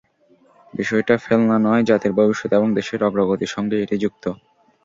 বিষয়টা ফেলনা নয়, জাতির ভবিষ্যৎ এবং দেশের অগ্রগতির সঙ্গেই এটি যুক্ত।